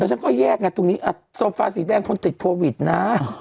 แล้วฉันก็แยกงานตรงนี้เอ่อสโฟร์สีแดนคนติดโควิดนะ